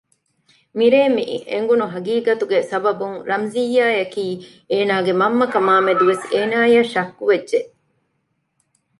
މިރޭ މި އެނގުނު ހަޤީޤަތުގެ ސަބަބުން ރަމްޒިއްޔާއަކީ އޭނާގެ މަންމަ ކަމާމެދުވެސް އޭނާއަށް ޝައްކުވެއްޖެ